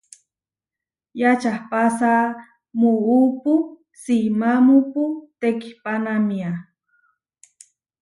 Yačahpása muúpu simámupu tekihpánamia.